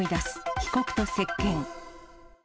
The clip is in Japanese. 被告と接見。